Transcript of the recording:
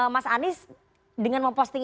mas anies dengan memposting